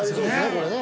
これね。